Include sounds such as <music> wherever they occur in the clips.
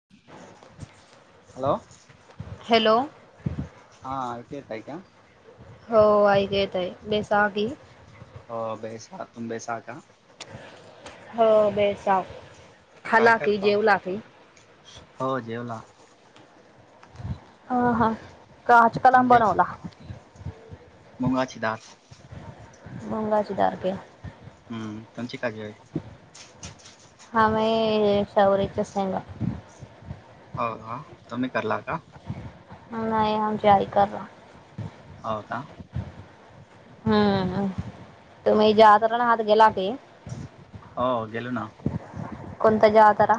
<inaudible> Hello. Hello. हा एकू येतय का? हो ऐकू येतय बे सागी. हो बेसा तुम बेसा का? हो बे साग. काय करता हो जेवला. हा हा का आज कलम तुम जे बनवला. मुंगाची दाळ. मुंगाची दाळ क्या. हम्म कंची का जई. हा मै चवळी का शेंगा. हो का तुमी कर्ला का? नाही आमची आई करला. हो का. हम्म तुम्ही ज्यादरण हात गेला की. हो देल ना. कोंणत्या जातरा?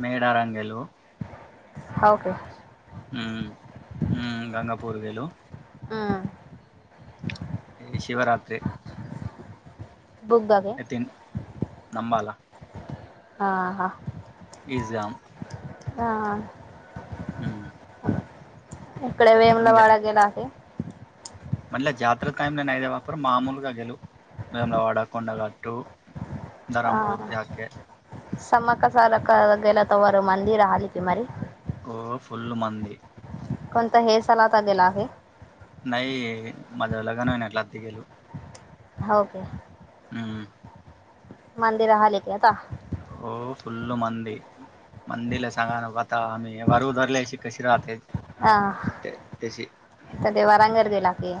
मेड <unintelligible> हव का. गंगापूर गेलो. हम शिवरात्री बुंग <unintelligible> त नबला <unintelligible> हां हां ईसगाम <unintelligible> हा हा हम्म इकडे वेमला वाडा गेलागे. म्हणले जातत्रताईम नन अईे वापर माू गेलवू मेमला वाड कोड गटू हा समाका साल का गेला तवर मंदिर हालीक मरी. ओ फुल् मंद कोणता हे सला त गेला आहे. नाही माझ्या लगन हो ना आ गेलो हो का हम्म मंदरहाले क आता हो फुल् मंद मंदिला सांगा ना आता आम्ही वरूधरल्या कशी राहते. हह ते तशी त ते वरा करदीलाखी <unintelligible>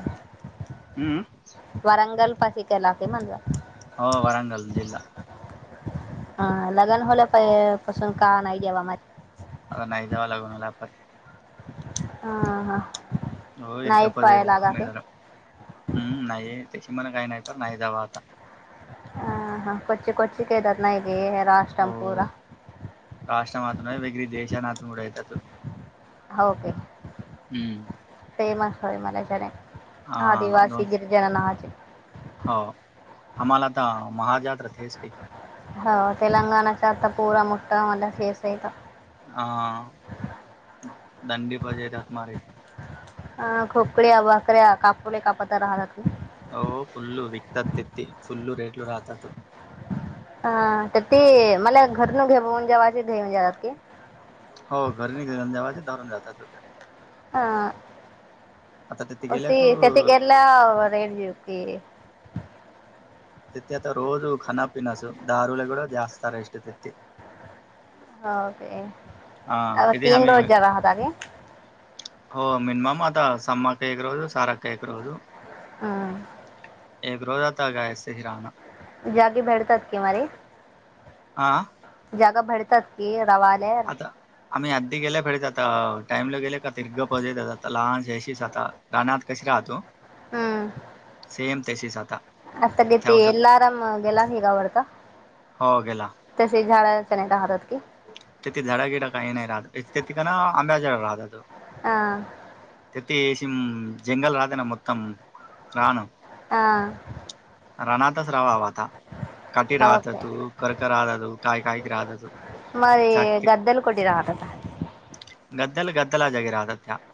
हम्म वरंगल पाशी केला म्हणजलं हो वरांंगल जिल्हा हा लग्न होलं पाहि पासून का नाही द्यावा म आता नाही दवा लागूनला आपण ह हा हो इरगपदेत मेडन हम्म नाही त्याशी मला काही नाही प नाही जावा आता ह हा कोची कोची कायेतात नाही ग राष्टम पूरा राष्ट्र मातम वेगळी देशान नातूनड येतात. होके हम्म फेमस होय मला जने ह हा दोन दिवासी गिरजन नाजे हो आम्हाला तर महाजात्रतेच का हो तेलंगणाचा आता पोरा मोठठा मझ फेस आहे. हा दंडी पजयेतात मारी. अ खोकड्या भाकऱ्या कापोले कापात राहतात. हो फुल्लू विकतात ते ते फुल्लू रेटलू राहतात. हा तर ती मला घटण घे जेवाची घे म्हणजे आात की <unintelligible> हो घर नि घन दवाच दून जातात. हा आता तिथे गेल्या क वरजवके <unintelligible> तेथ आता रोजु खना पिनस दारुले कड जास्तार एष्टे तेत्थ ओके अ तीन रोज जवा होते. हो मिनमम आता सम्मा काईक रोजू सारा काक रोजू हम एक रोजता गये हिरना जागे भेडतात की मर हा जग भडतात की रवाारी <unintelligible> आता <unintelligible> <unintelligible> हम्म सेम तसेच आता. त्यावस <unintelligible> हो गेला <unintelligible> <unintelligible> हा. <unintelligible> हा. <unintelligible> <unintelligible> चाके <unintelligible> <unintelligible>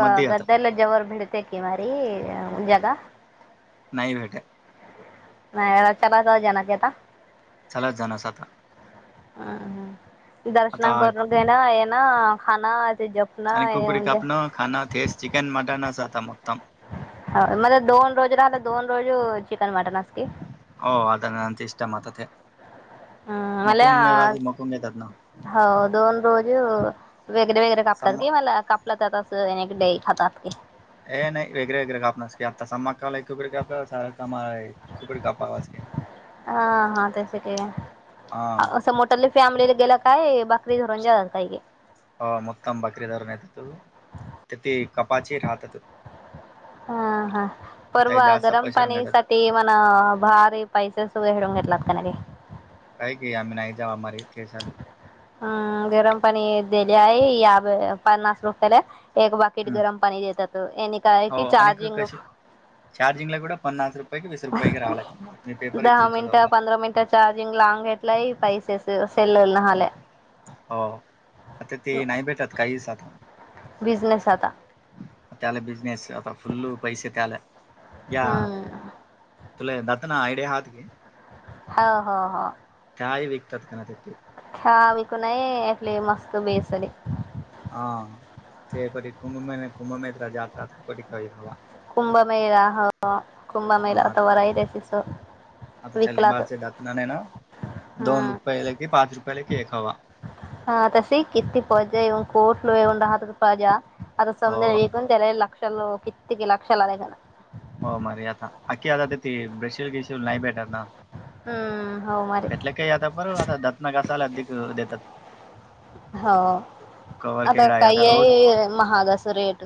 मध्ये येतात <unintelligible> <unintelligible> <unintelligible> आता <unintelligible> आणि कुकडी <unintelligible> <unintelligible> <unintelligible> मला <unintelligible> <unintelligible> सम <unintelligible> <unintelligible> <unintelligible> हा हा त्यास आहे. हा <unintelligible> <unintelligible> <unintelligible> हा हा काही परवा जास्त गरम पैसे पाणी घेतात ते <unintelligible> <unintelligible> हम् गरम पाणी दिले आहे. हम्म हो आणि क <unintelligible> कशी <unintelligible> दहा मिनिटं <unintelligible> <unintelligible> हो आता ते नाही भेटत काही साधण बिझनेस आता त्याला बिझनेस आता फुल्ल पैसे त्याला या हम्म तुला दात ना आयडिया आहात की ह हा हा. काही विकतात का ना तेथे <unintelligible> <unintelligible> कुंभमेळा हो हा कुंभमेळा <unintelligible> विकलात हम्म <unintelligible> <unintelligible> हो <unintelligible> हो मर आता अखी आता ती ब्रेशील किश नाही भेटत ना <unintelligible> हम्म हो मर. का आता ब आता दातना घासायला अधिक देतात. हो कवर आता केकडा आहे रोज कायई महाग असे रेट.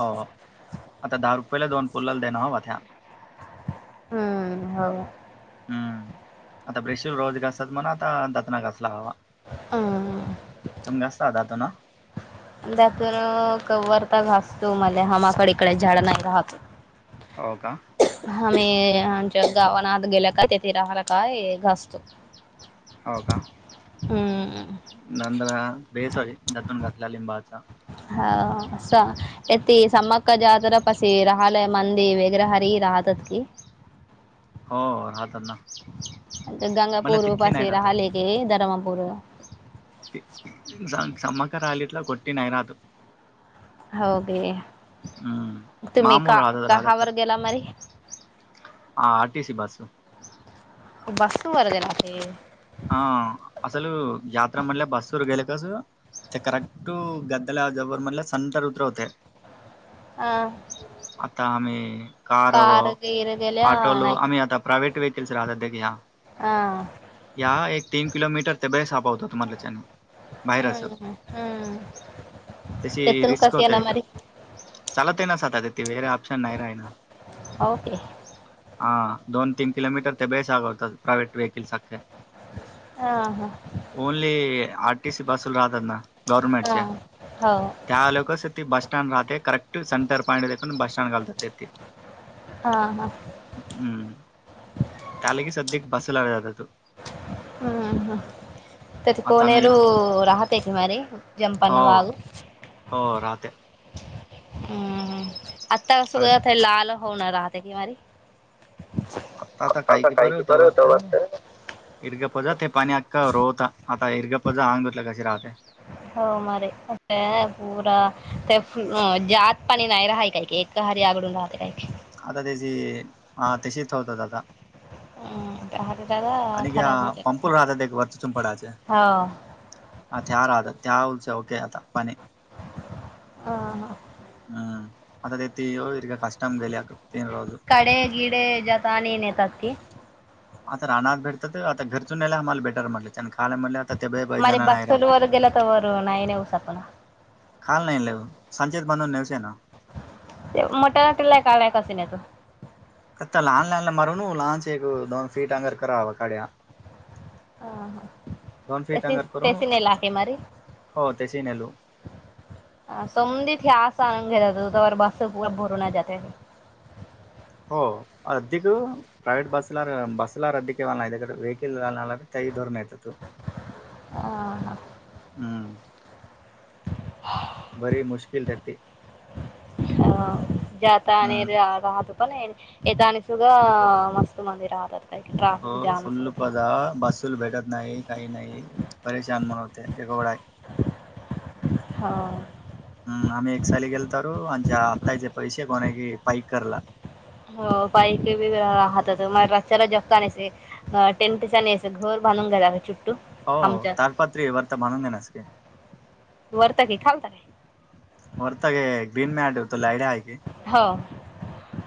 हो आता दहा रुपयेला दोन पोलाला देण हवा त्या्या. हम्म हो. हम्म आता ब्रेशूर रोज घासत म्हण आता दतना घासला हवा. ह. तुमे असता दा तो नां. त्यातून कवरता घासतो मला हमाकड इकडे झाड नाही राहतो. हो का. आम्ही आमच्या गावाना आत गेल्या का तेथे राहिला का घासतो. हो का. हम्म. नंद बेसॉरी जतून घातल्या लिंबाचा. हाती समक जाात पशी राहलय मंदी वगैरे हरी राह <unintelligible> <inaudible> तत की. हो हो रातात ना. मला गंगापूर तिथली नाही राहत पासेराहालेक धर्मपूर. <unintelligible> <inaudible> समकरलीिटला कोटी नै रात. <unintelligible> <inaudible> हो गे हम्म तुम्ही का कहावर गेला मरी. हा आर टी सी बस <inaudible> <unintelligible> बस वर दे ना ते. <unintelligible> <inaudible> हा असल यात्रा म्हणल्या बस वर गेले कासं. ते करेक्ट गद्दाला जबर म्हणल्या संंतर उतरवते. अ <unintelligible> आता आम्ही कार गीर गेल्या आटो ल नाही आम्ही आता प्रावेट वेहेिकल्स राहात क ह. हा. या एक तीन किलोमीटर तेबे सापा होता तुम्हाला न. बाहेर असो हम्म हम्म त्याची तेथून रिस्क कसे येणार होतला. मरी चालत आहे ना सता तथे वेगरे ऑप्शन नाही राहि ना. ओके हा दोन तीन किलोमीटर ते बेशग होतात प्रायव्हेट व्हेकलसखे. ह हा. ओनली आरटीसी बसूल राहतात ना गव्हर्मेंटच्या. हां हो त्या लोकच ते बस स्टँड राहते करेक्ट सेंरॉईंट देखून बस स्टँड घालतात ते. हा हा. हम्म त्यालागी सध्या बसला जात तू. हम्म हम त्या ते आता कोनेर आम्ही राहतयेत मर जमपना हो वाग. <unintelligible> <inaudible> हो राहते. हम्म आत्ता अ कसं लाल होऊन राहते की मारी. <unintelligible> आता काही क बरं होतं वास्त. <inaudible> <unintelligible> <unintelligible> घरी आघडून राहते काही की. आता त्याची हा तशीच होत आता. अ ह. अ दादा. आणि <inaudible> खराब हा. अ त्या राहत त्या होलस ओके आता पणे. <inaudible> ह. हम्म आता ते तोक कष्टम जल तीन रोजो कडे गिडे जातात आणि नेतात ते. आता रानात भेटत. तर आता घरचून यायला आम्हाला बेटर म्हटल आणि खायला म्हटल आता ते बे बै जण नाही राहिला <unintelligible> खाल नाहीई संचेेत बनून नेवसेना <unintelligible> आता लहान लहानला मारूनू लहानच एक दोन फीट अंगर करावा काड्या दोन फीट अंगर करून <unintelligible> ह हो त्याची नेलू संधीत हे अस आन घ्या जात त त्यावर बस भरूनही जाते. हो अधदीक प्रैवेट बसला बसला रद्धिक नाकडे वेकल त्याही धोरण येत तू हा. हम्म बरी मुश्किल त्या ते अ जाता आणि हम्म राहतो पण आहे. यथानसग मस्त मंदिर रहत. हो फुल्लपदा बसूल भेटत नाही काही नाही. परेशान मणवते एवढा आहे. हा हम्म आम्ही एक साली गेल तरु आमच्या आत्ताचे पैसे कोणा क पाईक करला. <unintelligible> <unintelligible> हो आमच्या तालपात्री वरत म्हनून देनास की. वरता की खालता वरतग ग्रीन मॅट इतल यडिया हाककी हो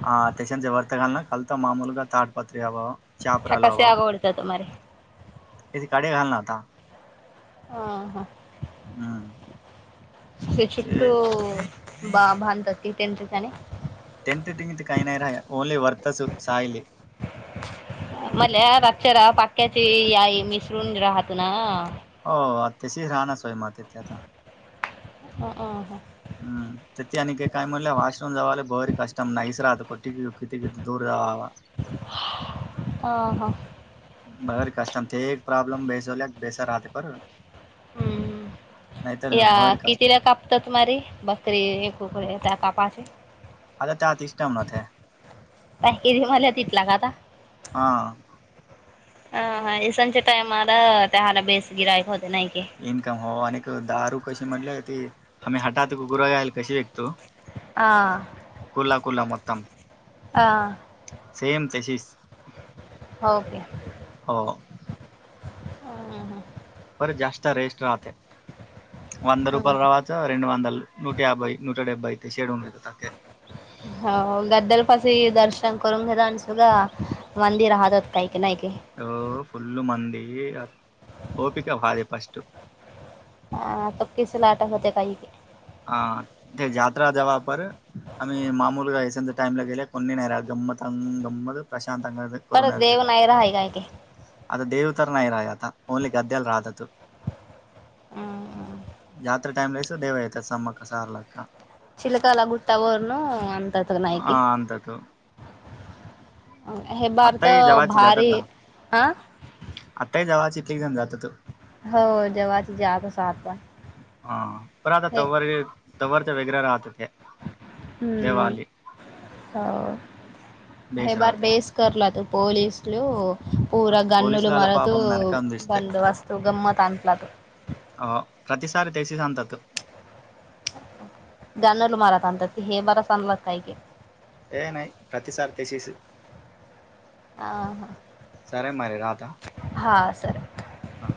ह त्याक्षणच्या वर्त घल ना कलता मामूल का ताटपत्री हवा. चापराला ठकासे हवा. आवडतात मारे तिची काडी घालण आता. <unintelligible> बा भांधतात ती टच्याच्याने टेनथ टिथ काही नाही राहा आहे ओनली वर्तसु सायली. मले रक्षरा पाक्याची आई मिसळून राहत ना. हो त्याशी राहणचोय मग त्याथे आता. <unintelligible> हम् तर ते आण काय म्हणलं वॉशरूम जावाला बरी कष्टम नाहीच राहत क किती किती दूर जावा. ह हा बर कस्तम ते एक प्रॉब्लेम बेसवल्या बेस राहते पर नाहीतर हम्म या भारी कष्ट कितीला काप तरत मारी बकरी एक कुकडे त्या पापाचे <unintelligible> <unintelligible> हा अ हा इसनच्या टायमला त्या हला बेस गिरायक होते नाही की. इन्कम हो आणि दारू कशी म्हटले त हम्ही हटात गुरगायला कशी विकतो. हा कोला कोला मतम हा सेम तशीच हो की. हो ह ह पर जास्त रेस्ट राहते. वंद रुपर राहत <unintelligible> हो गद्दलपशी दर्शन करून घेतलं आणि सुुगा मंदिर राहत हो काही की नाही की. <unintelligible> हा तोकीस ला आट होते काये हा ते जात्रा जवा पर आम् मामूल ग वसंत टाईम ला गेले कोणी नाही गमतंग गमत प्रशांतंग परण देव नाही राहिलाय की आता द देवतर नाही राहा आता ओनली गद्याला राहत तो हम्म. जात्रा टाईमलासो देवा येतात समाका सारला का चिलकाला गुट्ट वरन अंतात ह अंत त हे बारत आत्ताही जवाची जातात भारी ना अ आत्ताही जावां इथलेक जण जात तू हो जेव्हाची ज त सातवा हा पर आता तवर तवर तर वगरे राहत ते हम्म हा मेस राहते. करला पोलीस लेवो. पूरा आता गनल पोलीसलाला मारत बंदबस्त गमत अंटलात हो प्रत सार तेची संतात जानल मारात आणतात ते हे बरच आणला काय की हे नाही प्रति सार त्याशीस ह ह हा सर हा